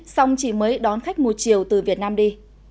xong chỉ mới đón khách một chiều từ việt nam đi